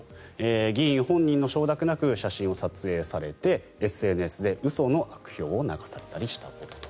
議員本人の承諾なく写真を撮影されてＳＮＳで嘘の悪評を流されたりしたことと。